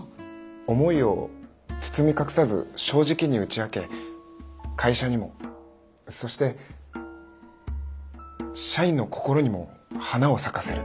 思いを包み隠さず正直に打ち明け会社にもそして社員の心にも花を咲かせる。